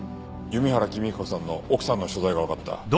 弓原公彦さんの奥さんの所在がわかった。